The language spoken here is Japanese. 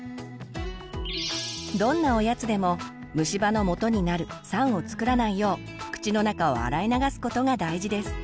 どんなおやつでも虫歯のもとになる酸をつくらないよう口の中を洗い流すことが大事です。